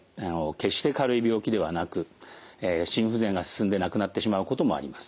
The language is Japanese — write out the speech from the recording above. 決して軽い病気ではなく心不全が進んで亡くなってしまうこともあります。